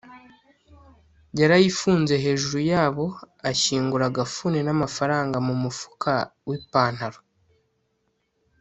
yarayifunze hejuru yabo ashyingura agafuni namafaranga mumufuka w ipantaro